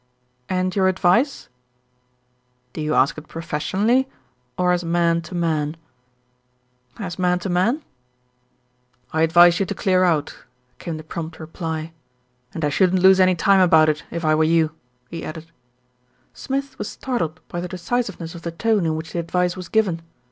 "And your advice?" "Do you ask it professionally, or as man to man?" "As man to man." "I advise you to clear out," came the prompt reply, THE VICAR DECIDES TO ACT 69 "and I shouldn't lose any time about it if I were you," he added. Smith was startled by the decisiveness of the tone in which the advice was given.